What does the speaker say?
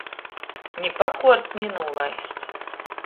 Ni pakuorts, ni nūlaists.